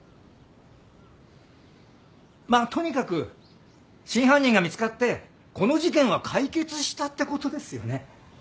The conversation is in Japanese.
まあとにかく真犯人が見つかってこの事件は解決したってことですよね？